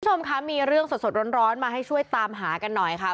คุณผู้ชมคะมีเรื่องสดร้อนมาให้ช่วยตามหากันหน่อยค่ะ